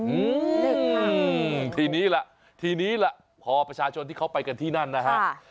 อืมทีนี้ล่ะทีนี้ล่ะพอประชาชนที่เขาไปกันที่นั่นนะฮะ